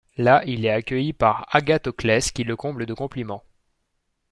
Là, il est accueilli par Agathoclès qui le comble de compliments.